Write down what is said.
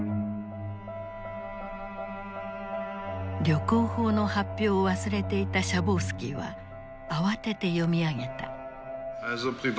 旅行法の発表を忘れていたシャボウスキーは慌てて読み上げた。